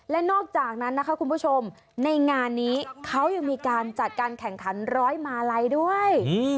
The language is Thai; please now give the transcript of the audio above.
และนอกจากนั้นนะคะคุณผู้ชมในงานนี้เขายังมีการจัดการแข่งขันร้อยมาลัยด้วย